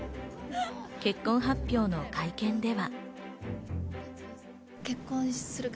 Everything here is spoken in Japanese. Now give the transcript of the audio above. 結婚発表の会見では。